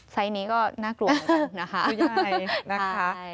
ไซส์นี้ก็น่ากลัวเหมือนกันนะคะ